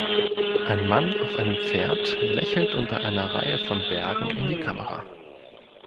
Ein Mann auf einem Pferd lächelt unter einer Reihe von Bergen in die Kamera.